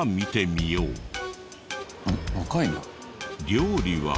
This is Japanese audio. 料理は。